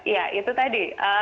ya itu tadi